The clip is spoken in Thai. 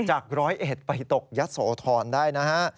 จากร้อยเหตุไปตกยัดโสธรณ์ได้นะฮะ